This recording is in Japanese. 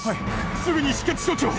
すぐに止血処置を！